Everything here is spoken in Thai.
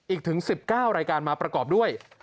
อีกถึง๑๙รายการมาประกอบด้วย